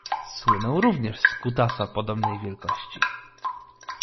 Słynął również z kutasa podobnej wielkości.